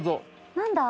何だ？